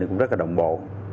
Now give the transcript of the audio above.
cũng rất là động bộ